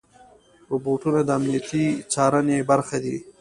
روبوټونه د امنیتي څارنې برخه دي.